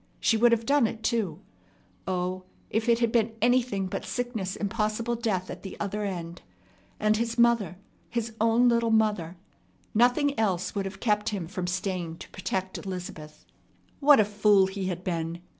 She would have done it too. O, if it had been anything but sickness and possible death at the other end and his mother, his own little mother! Nothing else would have kept him from staying to protect Elizabeth. What a fool he had been!